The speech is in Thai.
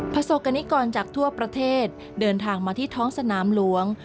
ประสบกรณิกรจากทั่วประเทศเดินทางมาที่ท้องสนามหลวง